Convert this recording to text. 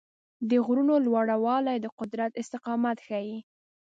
د غرونو لوړوالی د قدرت استقامت ښيي.